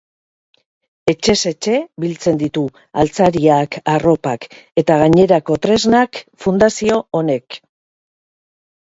Etxez etxe biltzen ditu altzariak, arropak eta gainerako tresnak fundazio honek.